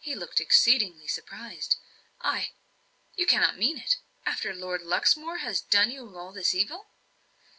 He looked exceedingly surprised. "I you cannot mean it? After Lord Luxmore has done you all this evil?"